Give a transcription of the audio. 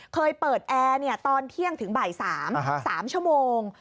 เคยเปิดแอร์ตอนเที่ยงถึงบ่าย๓๓ชั่วโมง